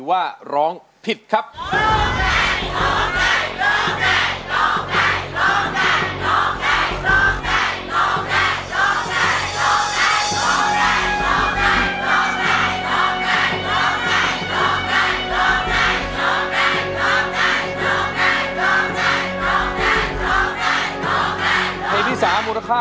โทษให้โทษให้โทษให้โทษให้โทษให้โทษให้โทษให้